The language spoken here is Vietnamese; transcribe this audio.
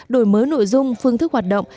đổi mới nội dung phương thức hoạt động